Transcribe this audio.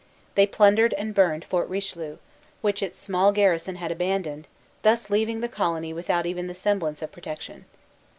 They plundered and burned Fort Richelieu, which its small garrison had abandoned, thus leaving the colony without even the semblance of protection.